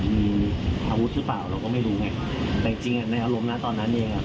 มีอาวุธหรือเปล่าเราก็ไม่รู้ไงแต่จริงจริงอ่ะในอารมณ์นะตอนนั้นเองอ่ะ